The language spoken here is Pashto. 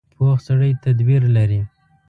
پوخ سړی تدبیر لري